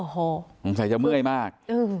คงใส่จะเมื่อยมาก